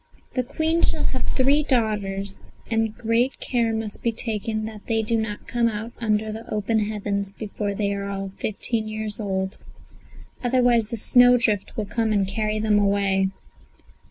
"The Queen shall have three daughters, but great care must be taken that they do not come out under the open heavens before they are all fifteen years old; otherwise a snowdrift will come and carry them away."